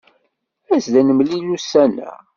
As-d ad nemlil ussan-a.